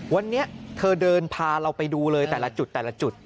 วันนี้เธอเดินพาเราไปดูเลยแต่ละจุดแต่ละจุด